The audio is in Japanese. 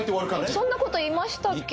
そんなこと言いましたっけ？